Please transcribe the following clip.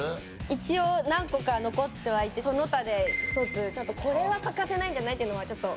一応何個か残ってはいてその他で１つこれは欠かせないんじゃない？っていうのはちょっと。